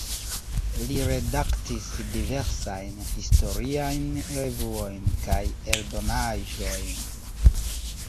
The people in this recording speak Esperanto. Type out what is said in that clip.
Li redaktis diversajn historiajn revuojn kaj eldonaĵojn.